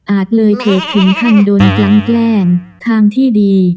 อาจเลยเกล็ดถึงขั้นโดนแกล้งแกล้งทางที่ดี